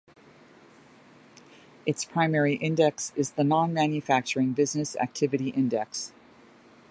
Its primary index is the Non-Manufacturing Business Activity Index.